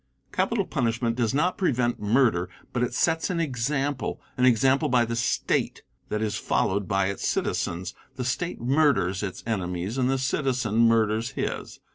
Capital punishment does not prevent murder, but sets an example an example by the State that is followed by its citizens. The State murders its enemies and the citizen murders his.